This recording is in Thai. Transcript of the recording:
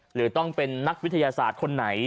หรือต้องเป็นนักวิทยาศาสตร์คนไหน